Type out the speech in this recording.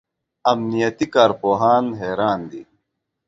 امنیتي کارپوهان حیران دي.